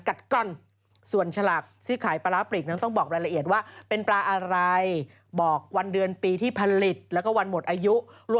แอนชีวีเข็มอย่างเดียว